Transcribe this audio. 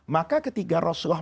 maka ketika rasulullah